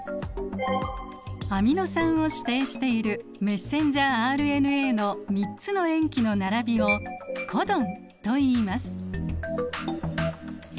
アミノ酸を指定しているメッセンジャーＲＮＡの３つの塩基の並びをコドンといいます。